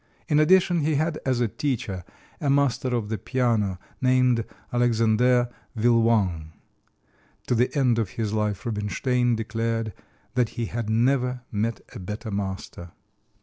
In addition he had as a teacher a master of the piano named Alexander Villoing. To the end of his life Rubinstein declared that he had never met a better master.